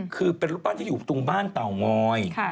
คือเป็นรูปปั้นที่อยู่ตรงบ้านเตางอย